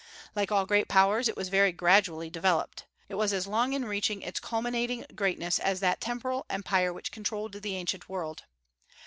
Like all great powers, it was very gradually developed. It was as long in reaching its culminating greatness as that temporal empire which controlled the ancient world.